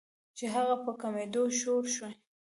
چې هغه پۀ کمېدو شورو شي